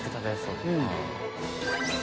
うん。